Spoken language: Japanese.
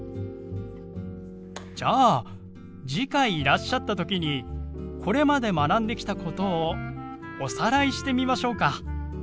じゃあ次回いらっしゃった時にこれまで学んできたことをおさらいしてみましょうか？